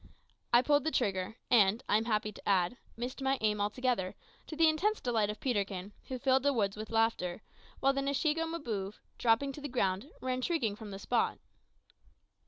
I pulled the trigger, and, I am happy to add, missed my aim altogether, to the intense delight of Peterkin, who filled the woods with laughter, while the Nshiego Mbouve, dropping to the ground, ran shrieking from the spot.